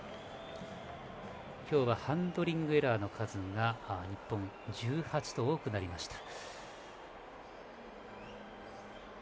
今日はハンドリングエラーの数が日本、１８と多くなりました。